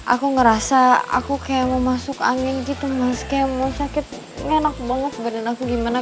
aku ngerasa aku kayak mau masuk angin gitu mas kayak mau sakit enak banget badan aku gimana